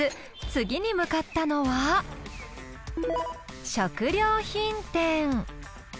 次に向かったのは食料品店。